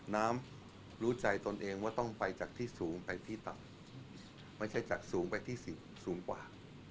รู้ใจตนเองว่าต้องไปจากที่สูงไปที่ต่ำไม่ใช่จากสูงไปที่สูงกว่า